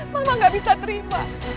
mama gak bisa terima